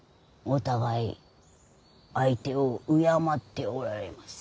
お互い相手を敬っておられます。